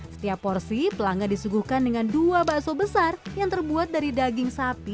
setiap porsi pelanggan disuguhkan dengan dua bakso besar yang terbuat dari daging sapi